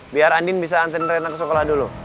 biar andin bisa anterin rena ke sekolah dulu